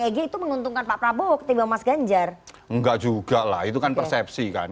egy itu menuntunkan pak prabowo ketimbang mas ganjar enggak juga lah itu kan persepsikan